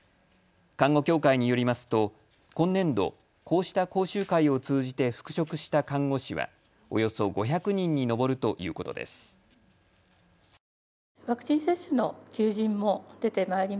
看護協会によりますと今年度、こうした講習会を通じて復職した看護師はおよそ５００人に上るということです。